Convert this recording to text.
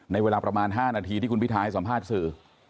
เวลาประมาณ๕นาทีที่คุณพิทาให้สัมภาษณ์สื่อ